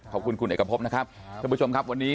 ขอบคุณคุณเอกพบนะครับท่านผู้ชมครับวันนี้